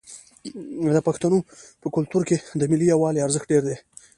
د پښتنو په کلتور کې د ملي یووالي ارزښت ډیر دی.